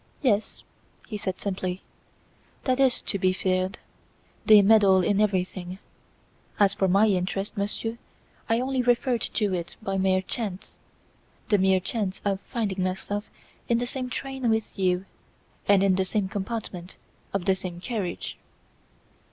"Yes," he said simply, "that is to be feared. They meddle in everything. As for my interest, monsieur, I only referred to it by mere chance, the mere chance of finding myself in the same train with you, and in the same compartment of the same carriage."